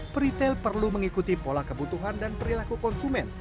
per retail perlu mengikuti pola kebutuhan dan perilaku konsumen